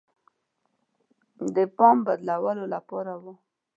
د پام بدلولو لپاره وه.